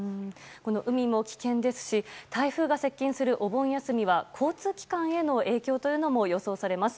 海も危険ですし台風が接近するお盆休みは交通機関への影響も予想されます。